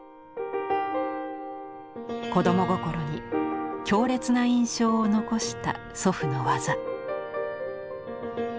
子供心に強烈な印象を残した祖父の技。